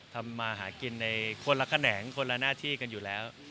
ทำมาหากินในคนละแขนงคนละหน้าที่กันอยู่แล้ว